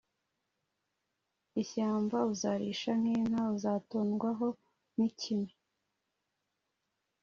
ishyamba uzarisha nk inka uzatondwaho n ikime